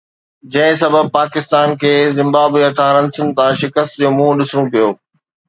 جنهن سبب پاڪستان کي زمبابوي هٿان رنسن تان شڪست جو منهن ڏسڻو پيو